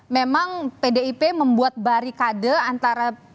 memang pdip membuat barikade antara